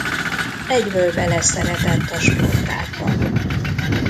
Egyből beleszeretett a sportágba.